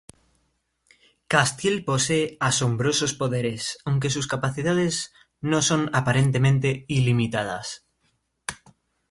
Castiel posee asombrosos poderes, aunque sus capacidades no son aparentemente ilimitadas.